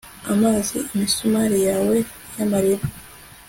amazi! imisumari yawe y'amarira